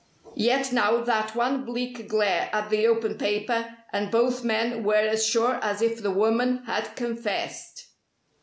Yet now that one bleak glare at the open paper, and both men were as sure as if the woman had confessed.